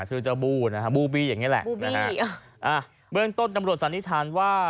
ชื่อเจ้าบู้นะฮะบูบี้อย่างเงี้แหละนะฮะอ่าเบื้องต้นตำรวจสันนิษฐานว่า